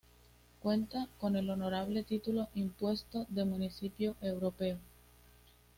Cuenta con el honorable título impuesto de "Municipio Europeo".